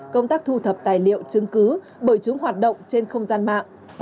công tác thu thập tài liệu chứng cứ bởi chúng hoạt động trên không gian mạng